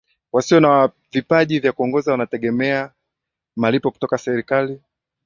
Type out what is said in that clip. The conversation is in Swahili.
wasio na vipaji vya kuongoza wanategemea malipo kutoka serikali